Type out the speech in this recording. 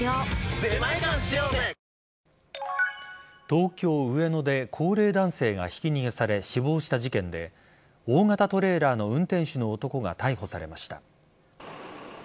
東京・上野で高齢男性がひき逃げされ死亡した事件で大型トレーラーの運転手の男が逮捕されました。